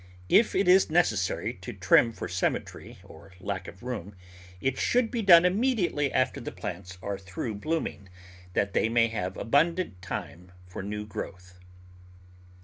If it is necessary to trim for symmetry or lack of room it should be done immediately after the plants are through bloom ing, that they may have abundant time for new growth.